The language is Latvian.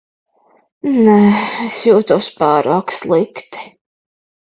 Nē, es jūtos pārāk slikti.